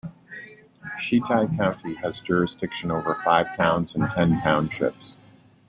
Shitai County has jurisdiction over five towns and ten townships.